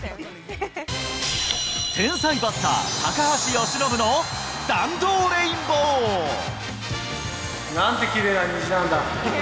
天才バッター、高橋由伸の弾なんてきれいな虹なんだ。